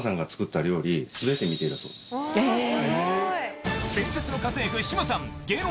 え！